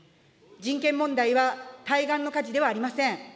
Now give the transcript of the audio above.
人権問題は、対岸の火事ではありません。